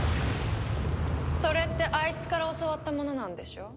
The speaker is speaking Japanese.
それってあいつから教わったものなんでしょ？